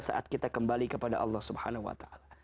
saat kita kembali kepada allah swt